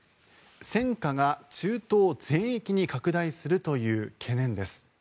戦火が中東全域に拡大するという懸念です。